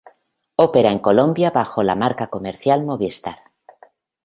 Opera en Colombia bajo la marca comercial Movistar.